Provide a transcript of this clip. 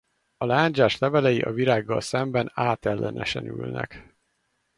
A lándzsás levelei a virággal szemben átellenesen ülnek.